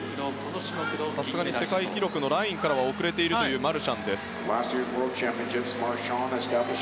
さすがに世界記録ラインからは遅れているマルシャン。